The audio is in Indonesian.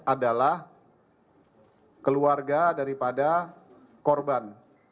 adalah keluarga daripada korban